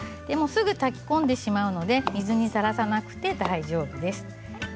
すぐ炊き込んでしまうので水にさらさなくて大丈夫です。